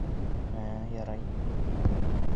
Ә, ярай!